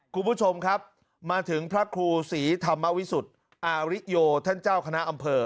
คุณผู้ชมครับมาถึงพระครูศรีธรรมวิสุทธิ์อาริโยท่านเจ้าคณะอำเภอ